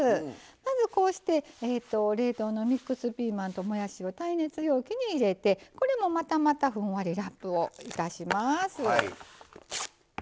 まずこうして冷凍のミックスピーマンともやしを耐熱容器に入れてこれもまたまたふんわりラップをいたします。